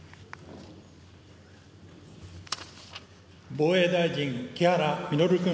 防衛大臣、木原稔君。